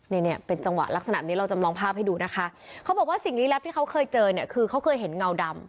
เนี่ยเนี่ยเป็นจังหวะลักษณะนี้เราจำลองภาพให้ดูนะคะเขาบอกว่าสิ่งลี้ลับที่เขาเคยเจอเนี่ยคือเขาเคยเห็นเงาดำ